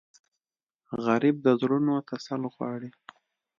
غریب د زړونو تسل غواړي